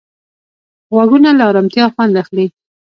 غوږونه له ارامتیا خوند اخلي